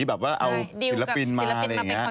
แบบว่าเอาศิลปินมาอะไรอย่างนี้